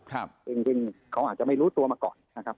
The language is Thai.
จะลัดกวมครับเพราะจริงเขาอาจจะไม่รู้ตัวมาก่อนนะครับ